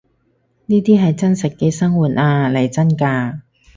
呢啲係真實嘅生活呀，嚟真㗎